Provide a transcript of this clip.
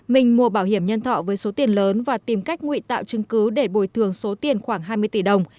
mình mua bảo hiểm nhân thọ với số tiền lớn và tìm cách nguy tạo chứng cứ để bồi thường số tiền khoảng hai mươi tỷ đồng